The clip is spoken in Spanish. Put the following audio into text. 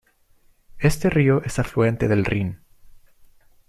Este río es afluente del Rin.